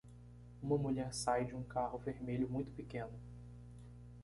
Uma mulher sai de um carro vermelho muito pequeno.